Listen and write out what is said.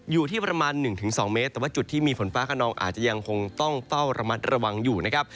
อยู่ที่ประมาณ๑๒เมตรแต่ว่าจุดที่มีฝนฟ้าขนองอาจจะยังคงต้องเฝ้าระมัดระวังอยู่นะครับ